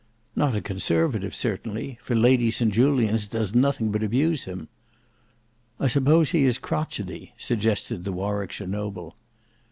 "Not a conservative certainly, for Lady St Julians does nothing but abuse him." "I suppose he is crotchetty," suggested the Warwickshire noble.